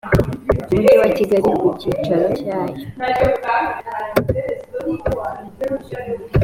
umujyi wa kigali ku cyicaro cya yo